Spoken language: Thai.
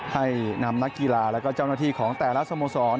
ให้นำนักกีฬาและเจ้าหน้าที่ของแต่ละสโมสร